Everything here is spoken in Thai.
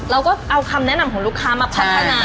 เราก็เอาคำแนะนำของลูกค้ามาพัฒนา